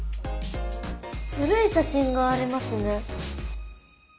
古い写真がありますね。